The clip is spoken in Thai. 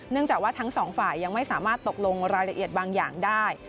จากว่าทั้งสองฝ่ายยังไม่สามารถตกลงรายละเอียดบางอย่างได้